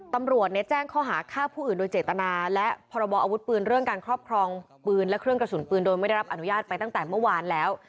ตำรวจแจ้งข้อหาฆ่าผู้อื่นโดยเจตนาและพรบออาวุธปืนเรื่องการครอบครองปืนและเครื่องกระสุนปืนโดยไม่ได้รับอนุญาตไปตั้งแต่เมื่อวานแล้ว